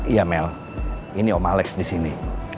iya mel ini om alex disini